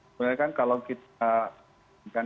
sebenarnya kan kalau kita